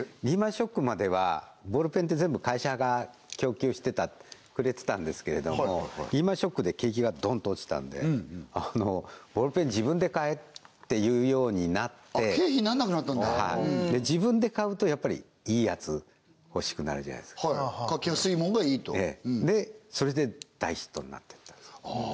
リーマンショックまではボールペンって全部会社が供給してくれてたんですけれどもリーマンショックで景気がドンと落ちたんでボールペン自分で買えっていうようになって経費になんなくなったんだはいで自分で買うとやっぱりいいやつ欲しくなるじゃないですか書きやすいもんがいいとええでそれで大ヒットになってったんですあ